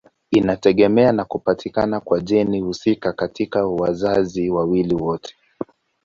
Inategemea na kupatikana kwa jeni husika katika wazazi wote wawili.